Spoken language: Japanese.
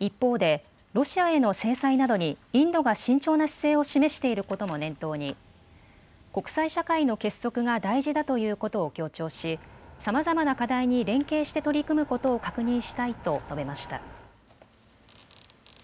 一方でロシアへの制裁などにインドが慎重な姿勢を示していることも念頭に国際社会の結束が大事だということを強調しさまざまな課題に連携して取り組むことを確認したいと述べました。